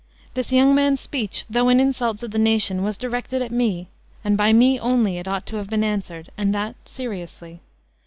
This young man's speech, though an insult to the nation, was directed to me, and by me only it ought to have been answered, and that seriously.